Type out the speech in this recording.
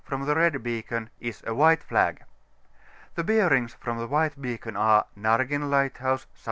from the red beacon is a white flag. The bearings from the white beacon are, Nai^n Lighthouse S.W.